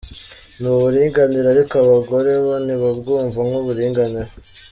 Ni uburinganire ariko abagore bo ntibabwumva nk’uburinganire.